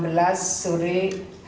pada hari ini